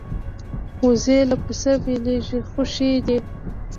وزې له پسه بېلېږي خو ښې دي